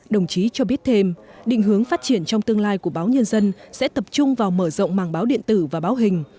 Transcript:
đồng chí cho biết thêm định hướng phát triển trong tương lai của báo nhân dân sẽ tập trung vào mở rộng màng báo điện tử và báo hình